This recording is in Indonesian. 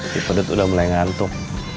si pedut udah mulai ngantuk